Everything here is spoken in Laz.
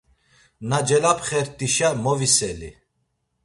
Na celapxert̆işa moviseli.